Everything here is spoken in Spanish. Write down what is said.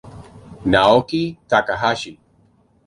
Naoki Takahashi